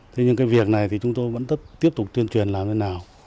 thế nhưng cái việc này thì chúng tôi vẫn tiếp tục tuyên truyền làm thế nào